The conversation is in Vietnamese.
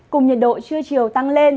cùng nhiệt độ trưa chiều tăng lên